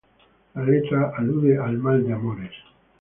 La letra alude al mal de amores.